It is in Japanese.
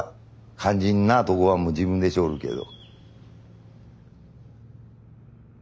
肝心なとこはもう自分でしよるけど。